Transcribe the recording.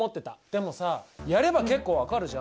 でもさやれば結構分かるじゃん。